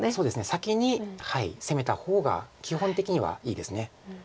先に攻めた方が基本的にはいいです。